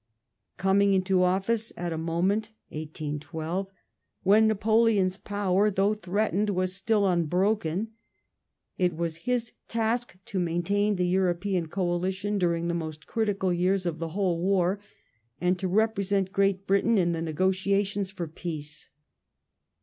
Coming into office at a moment (1812) when Napoleon's power though threatened was still unbroken, it was his task to maintain the European. coalition during the most critical years of the whole war, and to represent Great Britain in the negotiations for peace.